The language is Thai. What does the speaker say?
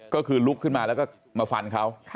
ก็คือลุกขึ้นมาแล้วก็มาฟันเขา